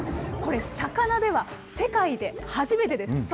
これ、魚では世界で初めてです。